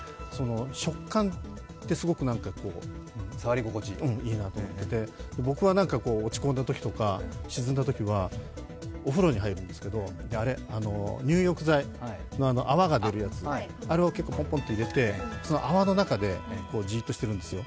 触感って、すごく触り心地いいなと思ってて、僕は、落ち込んだときとか沈んだときは、お風呂に入るんですけど、あれ、入浴剤の泡が出るやつをポンポンと入れて、その泡の中でじっとしてるんですよ。